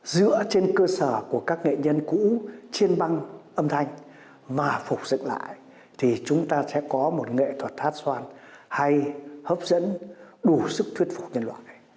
dựa trên cơ sở của các nghệ nhân cũ chiên băng âm thanh và phục dựng lại thì chúng ta sẽ có một nghệ thuật hát xoan hay hấp dẫn đủ sức thuyết phục nhân loại